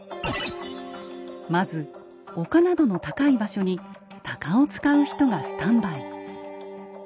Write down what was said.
まず丘などの高い場所に鷹を使う人がスタンバイ。